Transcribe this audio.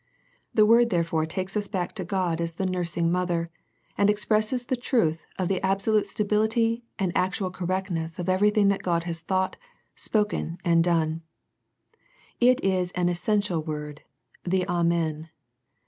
The word therefore takes us back to God as the nursing Mother and ex presses the truth of the absolute stability and the actual correctness of everything that God has thought, and spoken, and done. It is an essential word, " the Amen."